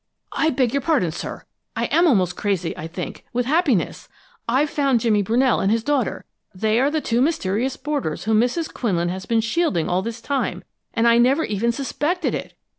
"I beg your pardon, sir; I am almost crazy, I think with happiness. I've found Mr. Jimmy Brunell and his daughter. They are the two mysterious boarders whom Mrs. Quinlan has been shielding all this time, and I never even suspected it!